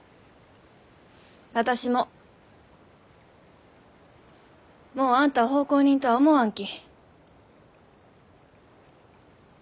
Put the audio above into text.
私ももうあんたを奉公人とは思わんき。